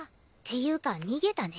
ていうか逃げたね。